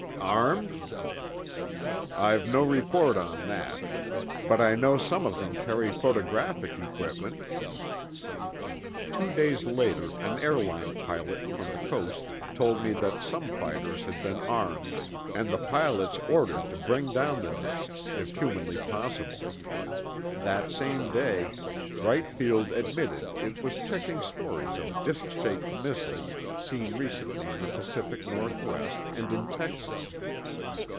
"Armed?" "I've no report on that. But I know some of them carry photographic equipment." Two days later an airline pilot from the Coast told me that some fighters had been armed and the pilots ordered to bring down the disks if humanly possible. That same day, Wright Field admitted it was checking stories of disk shaped missiles seen recently in the Pacific northwest and in Texas.